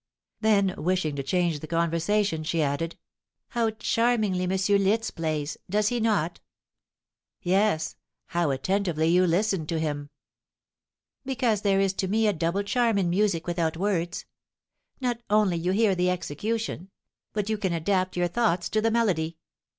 Then, wishing to change the conversation, she added, "How charmingly M. Liszt plays! does he not?" "Yes. How attentively you listened to him!" "Because there is to me a double charm in music without words. Not only you hear the execution, but you can adapt your thoughts to the melody.